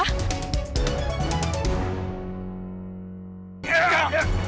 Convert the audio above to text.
kok berenti sih